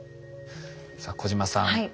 さあ小島さん